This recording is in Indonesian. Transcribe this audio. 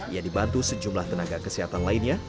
ia dibantu sejumlah tenaga kesehatan lainnya